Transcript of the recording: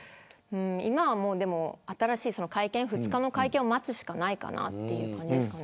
今は新しい会見２日の会見を待つしかないかなという感じですかね。